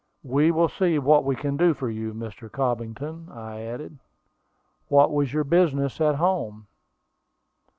"We will see what we can do for you, Mr. Cobbington," I added. "What was your business at home?"